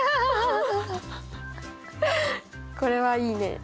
これはいいね。